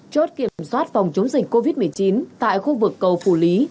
chốt kiểm soát phòng chống dịch covid một mươi chín tại khu vực cầu phù lý